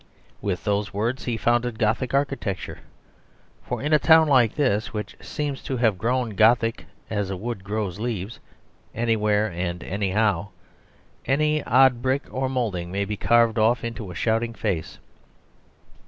With those words He founded Gothic architecture. For in a town like this, which seems to have grown Gothic as a wood grows leaves, anywhere and anyhow, any odd brick or moulding may be carved off into a shouting face.